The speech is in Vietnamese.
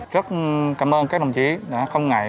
rất cảm ơn các đồng chí đã không ngại